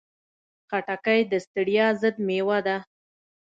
خټکی د ستړیا ضد مېوه ده.